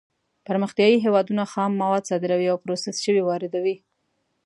پرمختیايي هېوادونه خام مواد صادروي او پروسس شوي واردوي.